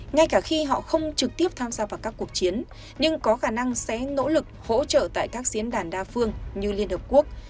ngay cả khi họ không trực tiếp tham gia vào các cuộc chiến nhưng có khả năng sẽ nỗ lực hỗ trợ tại các diễn đàn đa phương như liên hợp quốc